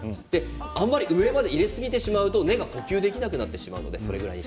あまり上まで入れすぎてしまうと根っこが呼吸できなくなってしまいます。